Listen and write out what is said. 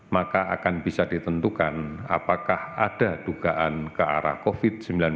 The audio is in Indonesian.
maka akan bisa ditentukan apakah ada dugaan ke arah covid sembilan belas